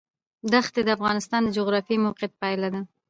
دښتې د افغانستان د جغرافیایي موقیعت پایله ده.